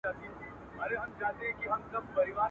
نوې د ایمل او دریاخان حماسه ولیکه.